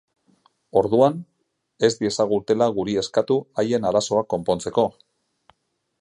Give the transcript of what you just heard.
Orduan, ez diezagutela guri eskatu haien arazoak konpontzeko.